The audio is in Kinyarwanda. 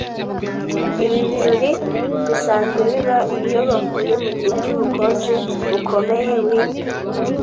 Ibi birori bisanzwe biba iyo bavuye mu gihe cy'ubukonje bukomeye (Winter)